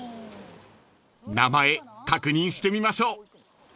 ［名前確認してみましょう］